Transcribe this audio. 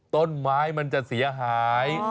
ต้นไม้มันจะเสียหาย